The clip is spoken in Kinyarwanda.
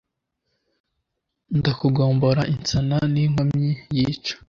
Ndakugombora insana n’inkomyi yica